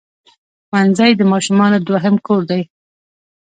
ښوونځی د ماشومانو دوهم کور دی.